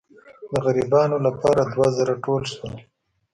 د غریبانو لپاره دوه زره ټول شول.